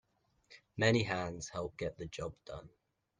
Many hands help get the job done.